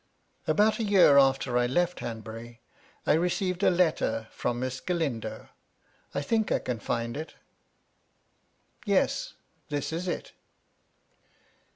About a. year after I left Hanbury, I received a letter from Miss Galindo, I think I can find it. — Yes, this is it.